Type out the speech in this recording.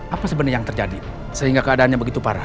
apa sebenarnya yang terjadi sehingga keadaannya begitu parah